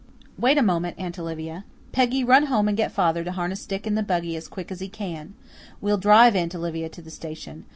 "Wait a moment, Aunt Olivia. Peggy, run home and get father to harness Dick in the buggy as quickly as he can. We'll drive Aunt Olivia to the station.